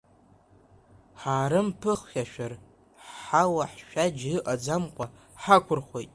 Ҳаарымԥыхьашәар, ҳауа-ҳшәаџь ыҟаӡамкәа ҳаақәырхуеит!